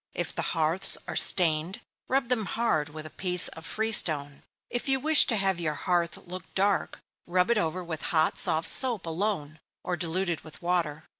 If the hearths are stained, rub them hard with a piece of free stone. If you wish to have your hearth look dark, rub it over with hot soft soap, alone, or diluted with water.